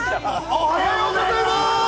おはようございます。